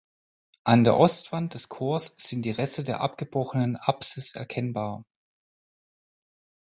An der Ostwand des Chors sind die Reste der abgebrochenen Apsis erkennbar.